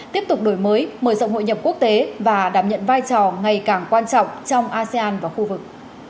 tiếp tục đổi mới mở rộng hội nhập quốc tế và đảm nhận vai trò ngày càng quan trọng trong asean và khu vực